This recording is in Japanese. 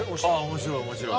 面白い面白い。